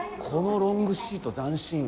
このロングシート、斬新！